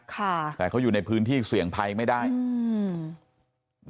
ค่ะแต่เขาอยู่ในพื้นที่เสี่ยงภัยไม่ได้อืม